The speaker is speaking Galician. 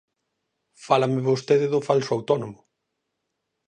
Fálame vostede do falso autónomo.